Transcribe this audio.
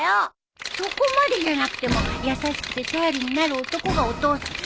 そこまでじゃなくても優しくて頼りになる男がお父さん。